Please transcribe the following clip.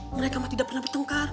mereka tidak pernah bertengkar